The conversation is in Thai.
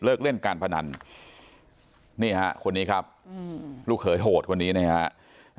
เล่นการพนันนี่ฮะคนนี้ครับลูกเขยโหดคนนี้นะครับ